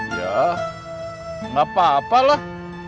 yah gak apa apa lah